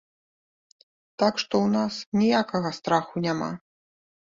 Так што ў нас ніякага страху няма.